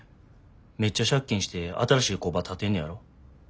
めっちゃ借金して新しい工場建てんねやろ？